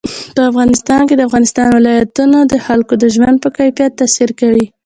په افغانستان کې د افغانستان ولايتونه د خلکو د ژوند په کیفیت تاثیر کوي.